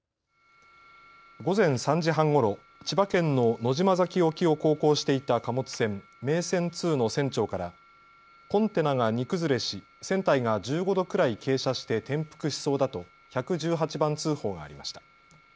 午前３時半ごろ千葉県の野島埼沖を航行していた貨物船めいせん２の船長から、コンテナが荷崩れし船体が１５度くらい傾斜して転覆しそうだと１１８番通報がありました。